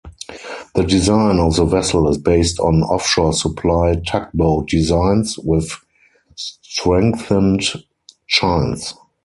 The design of the vessel is based on offshore supply-tugboat designs, with strengthened chines.